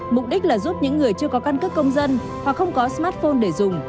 mục đích là giúp những người chưa có căn cước công dân hoặc không có smartphone để dùng